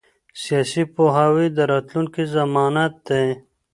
سیاسي پوهاوی د راتلونکي ضمانت دی